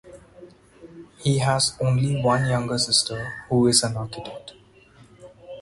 He has only one younger sister who is an architect.